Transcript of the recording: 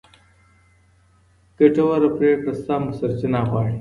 ګټوره پرېکړه سمه سرچینه غواړي.